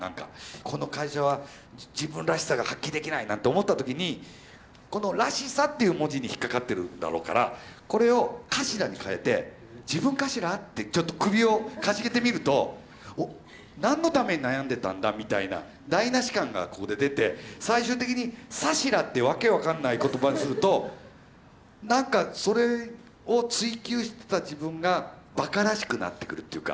この会社は自分らしさが発揮できないなんて思った時にこの「らしさ」っていう文字に引っかかってるんだろうからこれを「かしら」に換えて「自分かしら」ってちょっと首をかしげてみるとおっ何のために悩んでたんだみたいな台なし感がここで出て最終的に「さしら」って訳分かんない言葉にするとなんかそれを追究してた自分がバカらしくなってくるっていうか。